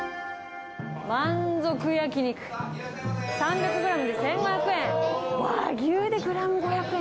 満足焼肉３００グラムで１５００円。